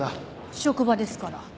職場ですから。